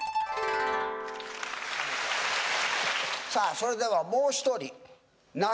それではもう１人。